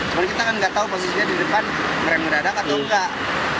cuman kita kan nggak tahu posisinya di depan ngeram ngedadak atau nggak